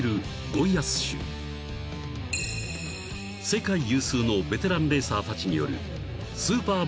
［世界有数のベテランレーサーたちによる］